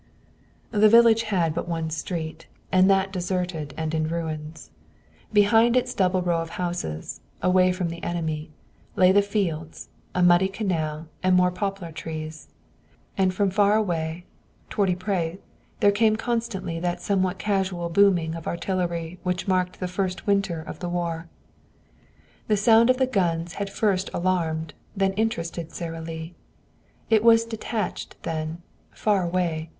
The village had but one street, and that deserted and in ruins. Behind its double row of houses, away from the enemy, lay the fields, a muddy canal and more poplar trees. And from far away, toward Ypres, there came constantly that somewhat casual booming of artillery which marked the first winter of the war. The sound of the guns had first alarmed, then interested Sara Lee. It was detached then, far away.